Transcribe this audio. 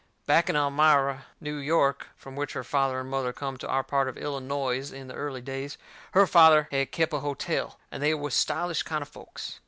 Back in Elmira, New York, from which her father and mother come to our part of Illinoise in the early days, her father had kep' a hotel, and they was stylish kind o' folks.